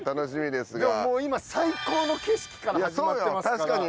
でももう今最高の景色から始まってますから。